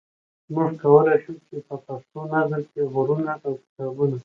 موږ کولای شو چې په پښتو نظم کې غرونه او کتابونه.